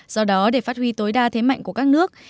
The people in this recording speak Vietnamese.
do đó để phát huy tối đa thế mạnh của các nước